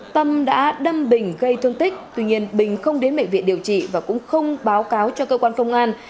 tâm đã đâm bình gây thương tích tuy nhiên bình không đến bệnh viện điều trị và cũng không báo cáo cho cơ quan công an